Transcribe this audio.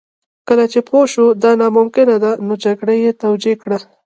کله چې پوه شو دا ناممکنه ده نو جګړه یې توجیه کړه